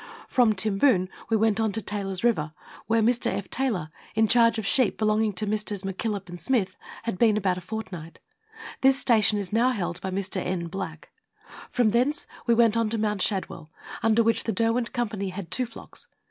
From Timboon we went on to Taylor's River, where Mr. F. Taylor, in charge of sheep belonging to Messrs. McKillop and Smith, had been about a fortnight. This station is now held bv Mr. N. Black. From thence we went on to Mt_ 15G Letters from Victorian Pioneers. Shadwell, under which the Derwent Company had two flocks.